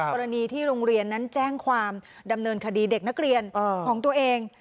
กรณีที่โรงเรียนนั้นแจ้งความดำเนินคดีเด็กนักเรียนของตัวเอง